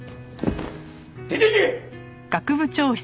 出ていけ！